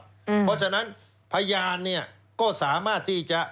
เพราะฉะนั้นพยานเนี่ยก็สามารถที่จะ